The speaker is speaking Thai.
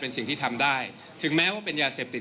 เป็นสิ่งที่ทำได้ถึงแม้ว่าเป็นยาเสพติด